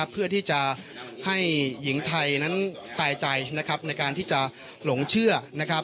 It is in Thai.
เพื่อที่จะให้หญิงไทยนั้นตายใจในการที่จะหลงเชื่อ